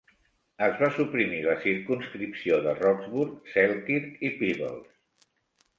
Es va suprimir la circumscripció de Roxburgh, Selkirk i Peebles.